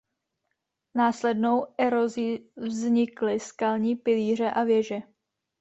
Následnou erozí vznikly skalní pilíře a věže.